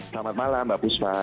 selamat malam mbak pusma